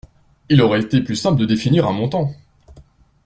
Il aurait été plus simple de définir un montant.